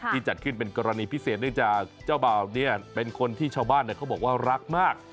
จัดขึ้นเป็นกรณีพิเศษเนื่องจากเจ้าบ่าวเนี่ยเป็นคนที่ชาวบ้านเขาบอกว่ารักมาก